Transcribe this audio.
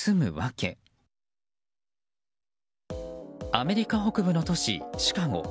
アメリカ北部の都市シカゴ。